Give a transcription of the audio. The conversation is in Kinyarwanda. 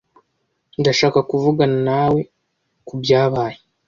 Ndashaka kuvugana nawe kubyabaye.